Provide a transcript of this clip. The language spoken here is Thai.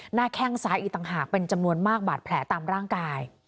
แข้งซ้ายอีกต่างหากเป็นจำนวนมากบาดแผลตามร่างกาย